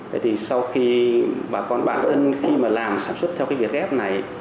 vậy thì sau khi bà con bản thân khi mà làm sản xuất theo cái việc ghép này